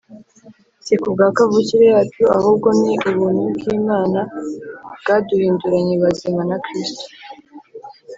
Si kubwa kavukire yacu ahubwo n’ ubuntu bw Imana bwa duhinduranye bazima na kristo